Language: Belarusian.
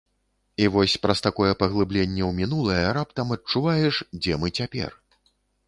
І вось праз такое паглыбленне ў мінулае раптам адчуваеш, дзе мы цяпер.